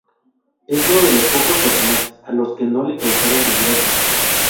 Es uno de los pocos personajes a los que no les causaron desgracias.